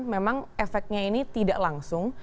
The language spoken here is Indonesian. memang efeknya ini tidak langsung